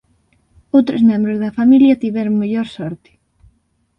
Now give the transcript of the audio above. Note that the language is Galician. Outros membros da familia tiveron mellor sorte.